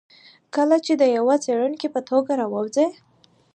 کله چې د یوه څېړونکي په توګه راووځي.